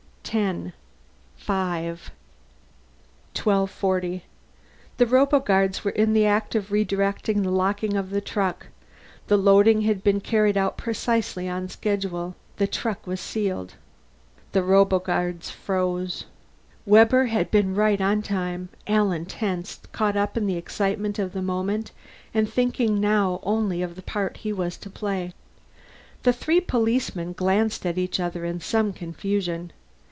Ten. Five. 1240. The roboguards were in the act of directing the locking of the truck; the loading had been carried out precisely on schedule. The truck was shut and sealed. The roboguards froze. Webber had been right on time. Alan tensed, caught up in the excitement of the moment and thinking now only of the part he was to play. The three policemen glanced at each other in some confusion.